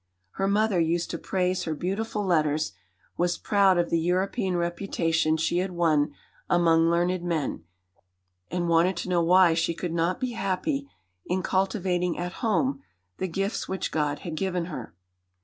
Her mother used to praise her "beautiful letters," was proud of the "European reputation" she had won among learned men, and wanted to know why she could not be happy in cultivating at home the gifts which God had given her.